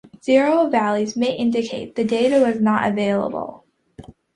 Zero values may indicate the data was not available.